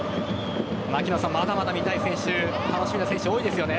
まだまだ見たい選手楽しみな選手、多いですよね。